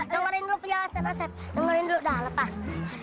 dengarin dulu penjelasan asyik dengarin dulu dah lepas